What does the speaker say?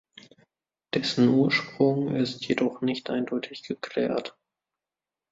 Dessen Ursprung ist jedoch nicht eindeutig geklärt.